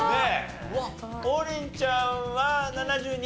王林ちゃんは７２？